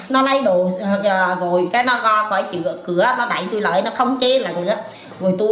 rồi cái nó gói khỏi cửa nó đẩy tôi lại nó không chế lại rồi đó